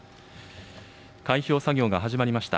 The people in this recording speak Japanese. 開票作業が始まりました。